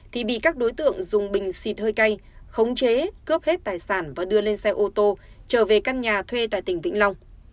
thì bị các đối tượng dùng bình xịt hơi cay khống chế cướp hết tài sản và đưa lên xe ô tô trở về căn nhà thuê tại tỉnh vĩnh long